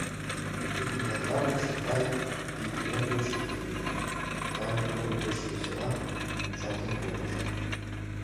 Икмыняр жап гыч Ипай, ий плен гыч утлен, таве курык гыч веселан мунчалтен волыш.